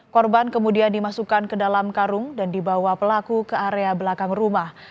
korban kemudian dimasukkan ke dalam karung dan dibawa pelaku ke area belakang rumah